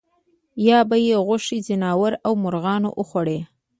یا به یې غوښې ځناورو او مرغانو وخوړې.